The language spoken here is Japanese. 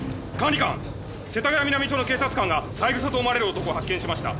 世田谷南署の警察官が三枝と思われる男を発見しました。